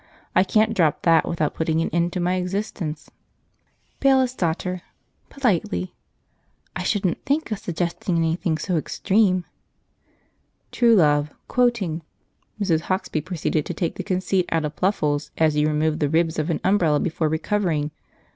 I can't drop that without putting an end to my existence." Bailiff's Daughter (politely). "I shouldn't think of suggesting anything so extreme." True Love (quoting). "'Mrs. Hauksbee proceeded to take the conceit out of Pluffles as you remove the ribs of an umbrella before re covering.'